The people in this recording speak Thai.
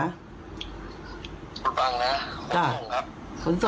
คุณปั้งนะผมต้องครับ